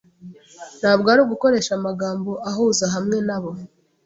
Ntabwo ari gukoresha amagambo ahuza hamwe nabo.